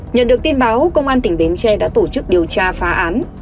nhận được tin báo công an tỉnh bến tre đã tổ chức điều tra phá án